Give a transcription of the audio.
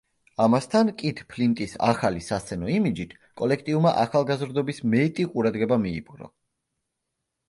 ამასთან, კით ფლინტის ახალი სასცენო იმიჯით კოლექტივმა ახალგაზრდობის მეტი ყურადღება მიიპყრო.